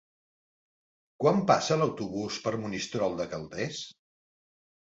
Quan passa l'autobús per Monistrol de Calders?